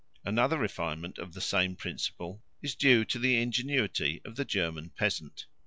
Another refinement of the same principle is due to the ingenuity of the German peasant.